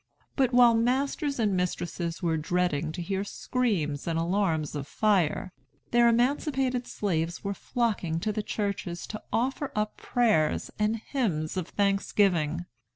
But while masters and mistresses were dreading to hear screams and alarms of fire, their emancipated slaves were flocking to the churches to offer up prayers and hymns of thanksgiving.